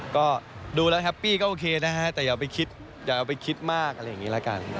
ก็ดูแล้วแฮปปี้ก็โอเคนะฮะแต่อย่าไปคิดอย่าเอาไปคิดมากอะไรอย่างนี้ละกัน